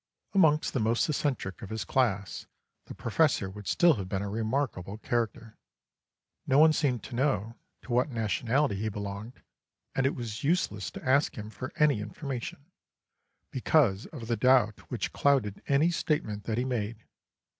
Amongst the most eccentric of his class the Professor would still have been a remarkable character. No one seemed to know to what nationality he belonged, and it was useless to ask him for any information, because of the doubt which clouded any statement that he made.